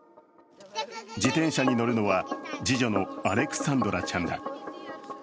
自転車に乗るのは次女のアレクサンドラちゃんだ。